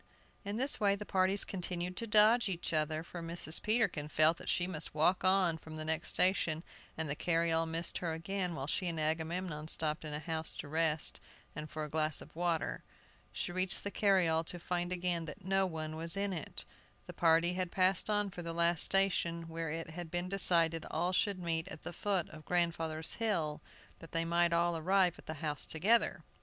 In this way the parties continued to dodge each other, for Mrs. Peterkin felt that she must walk on from the next station, and the carryall missed her again while she and Agamemnon stopped in a house to rest, and for a glass of water. She reached the carryall to find again that no one was in it. The party had passed on for the last station, where it had been decided all should meet at the foot of grandfather's hill, that they might all arrive at the house together.